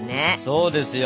そうですよ！